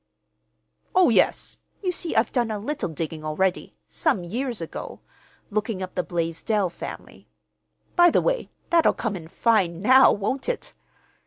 "Oh, yes. You see I've done a little digging already—some years ago—looking up the Blaisdell family. (By the way, that'll come in fine now, won't it?)